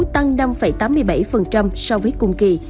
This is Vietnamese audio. tăng năm tám mươi bảy so với cùng kỳ